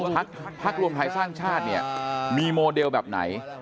พักรวมไทยสร้างชาติเนี่ยมีโมเดลแบบไหน